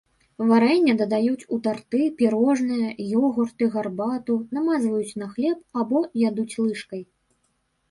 Варэнне дадаюць у тарты, пірожныя, ёгурты, гарбату, намазваюць на хлеб або ядуць лыжкай.